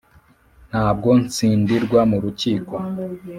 ntabwo ntsindirwa mu rukiko